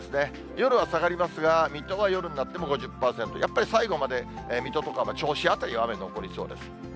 夜は下がりますが、水戸は夜になっても５０％、やっぱり最後まで水戸とか銚子辺りは雨残りそうです。